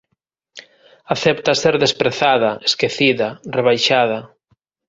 Acepta ser desprezada, esquecida, rebaixada.